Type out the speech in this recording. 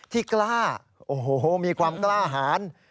ที่กล้าโอ้โหมีความกล้าหาร